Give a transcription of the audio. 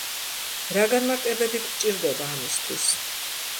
რა განმარტებები გვჭირდება ამისთვის?